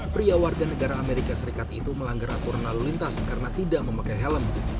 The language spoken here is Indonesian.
pria warga negara amerika serikat itu melanggar aturan lalu lintas karena tidak memakai helm